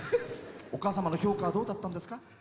お母様の評価はどうだったんですか？